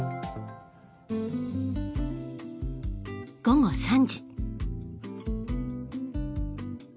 午後３時。